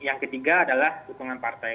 dan yang ketiga adalah dukungan partai